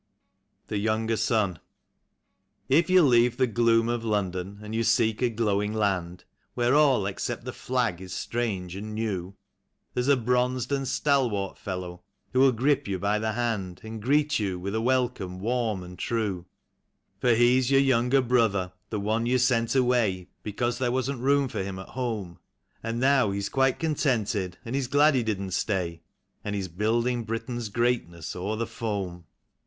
69 THE YOUNGER SON. If you leave the gloom of London and you seek a glow ing land, Where all except the flag is strange and new, There's a hrouzed and stalwart fellow who will grip you by the hand, And greet you with a welcome warm and true ; For he's your younger brother, the one you sent away, Because there wasn't room for him at home; And now he's quite contented, and he's glad he didn't stay, And he's building Britain's greatness o'er the foam.